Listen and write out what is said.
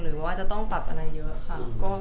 หรือว่าจะต้องปรับอะไรเยอะค่ะ